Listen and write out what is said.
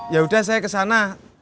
ya udah saya kesana